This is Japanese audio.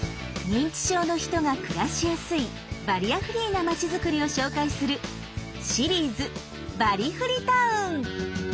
認知症の人が暮らしやすいバリアフリーな町づくりを紹介する「シリーズバリフリ・タウン」。